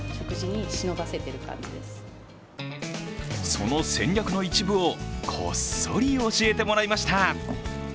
その戦略の一部をこっそり教えてもらいました。